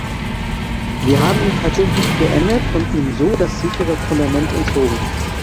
Wir haben ihn tatsächlich geändert und ihm so das sichere Fundament entzogen.